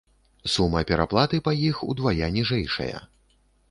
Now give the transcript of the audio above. Сума пераплаты па іх удвая ніжэйшая.